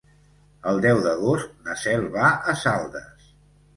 El deu d'agost na Cel va a Saldes.